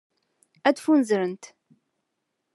Ad ffunzrent.